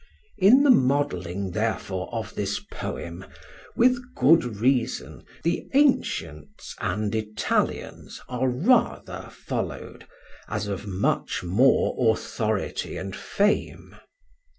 In the modelling therefore of this Poem with good reason, the Antients and Italians are rather follow'd, as of much more authority and fame.